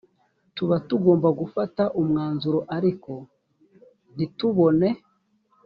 tuba tugomba gufata umwanzuro ariko ntitubone